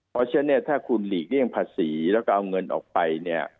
เพราะฉะนั้นถ้าคุณหลีกเลี่ยงภาษีแล้วก็เอาเงินออกไป